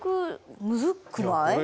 むずくない？